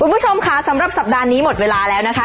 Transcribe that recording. คุณผู้ชมค่ะสำหรับสัปดาห์นี้หมดเวลาแล้วนะคะ